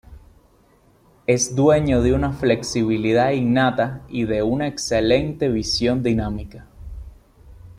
Es dueño de una flexibilidad innata y de una excelente visión dinámica.